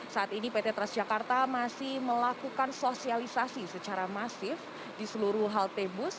saat ini pt transjakarta masih melakukan sosialisasi secara masif di seluruh halte bus